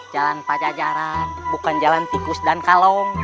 jalan pajajaran bukan jalan tikus dan kalong